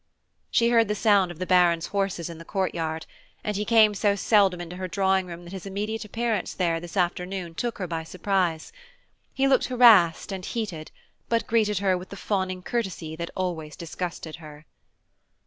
She heard the sound of the Baron's horses in the court yard; and he came so seldom into her drawing room that his immediate appearance there this afternoon took her by surprise. He looked harassed and heated, but greeted her with the fawning courtesy that always disgusted her.